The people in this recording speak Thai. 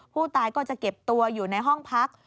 ผู้ตายก็จะเก็บตัวอยู่ในห้องพัก